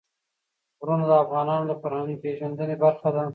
غرونه د افغانانو د فرهنګي پیژندنې برخه ده.